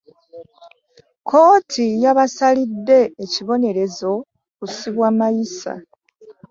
Kkooti yabasalidde ekibonerezo kykusibwa mayisa.